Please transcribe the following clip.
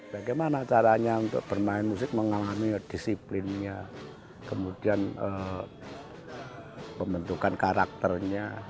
bagaimana caranya untuk bermain musik mengalami disiplinnya kemudian pembentukan karakternya